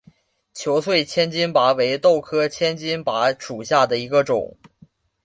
球穗千斤拔为豆科千斤拔属下的一个种。